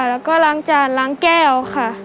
แล้วก็ล้างจานล้างแก้วค่ะ